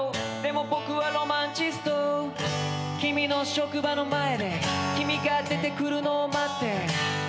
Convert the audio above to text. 「でも僕はロマンチスト」「君の職場の前で君が出てくるのを待って」